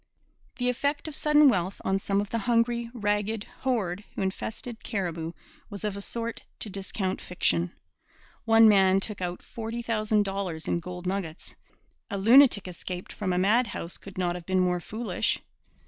The effect of sudden wealth on some of the hungry, ragged horde who infested Cariboo was of a sort to discount fiction. One man took out forty thousand dollars in gold nuggets. A lunatic escaped from a madhouse could not have been more foolish.